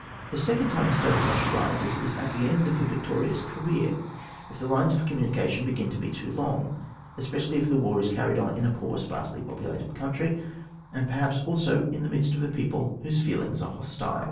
The second time a state of want arises is at the end of a victorious career, if the lines of communication begin to be too long, especially if the war is carried on in a poor, sparsely populated country, and perhaps also in the midst of a people whose feelings are hostile.